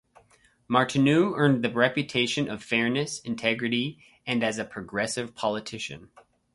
Martineau earned the reputation of fairness, integrity, and as a progressive politician.